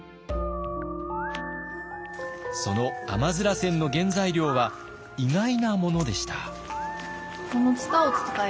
その甘煎の原材料は意外なものでした。